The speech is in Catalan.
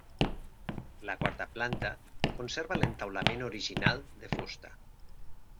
La quarta planta conserva l'entaulament original de fusta.